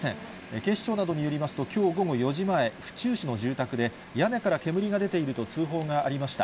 警視庁などによりますと、きょう午後４時前、府中市の住宅で、屋根から煙が出ていると通報がありました。